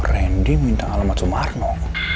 randy minta alamat sumarno